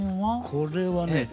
これはね